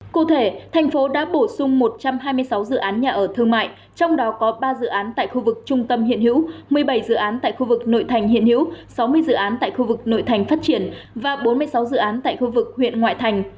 cụ thể thành phố đã bổ sung một trăm hai mươi sáu dự án nhà ở thương mại trong đó có ba dự án tại khu vực trung tâm hiện hữu một mươi bảy dự án tại khu vực nội thành hiện hữu sáu mươi dự án tại khu vực nội thành phát triển và bốn mươi sáu dự án tại khu vực huyện ngoại thành